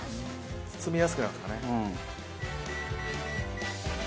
包みやすくなるんですかね。